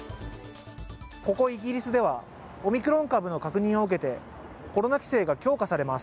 ここイギリスではオミクロン株の確認を受けてコロナ規制が強化されます。